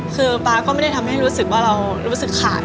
คือป๊าก็ไม่ได้ทำให้รู้สึกว่าเรารู้สึกขาด